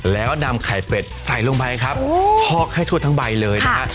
แล้วนำไข่เป็ดใส่ลงไปครับพอกให้ทั่วทั้งใบเลยนะฮะ